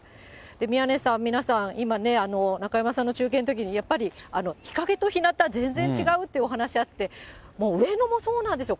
宮根さん、皆さん、今ね、中山さんの中継のときに、やっぱり日陰とひなた、全然違うってお話あって、もう上野もそうなんですよ。